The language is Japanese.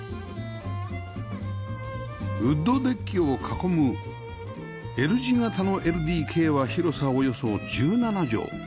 ウッドデッキを囲む Ｌ 字形の ＬＤＫ は広さおよそ１７畳